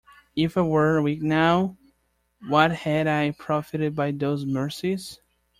If I were weak now, what had I profited by those mercies?